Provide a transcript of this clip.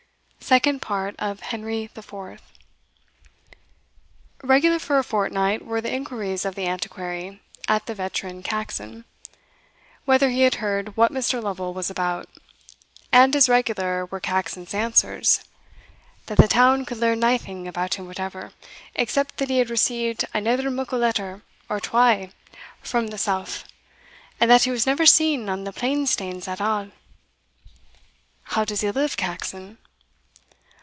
Second Part of Henry IV. Regular for a fortnight were the inquiries of the Antiquary at the veteran Caxon, whether he had heard what Mr. Lovel was about; and as regular were Caxon's answers, "that the town could learn naething about him whatever, except that he had received anither muckle letter or twa frae the south, and that he was never seen on the plainstanes at a'." "How does he live, Caxon?"